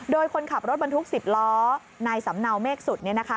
โดยคนขับรถบรรทุก๑๐ล้อนายสำเนาเมฆสุดเนี่ยนะคะ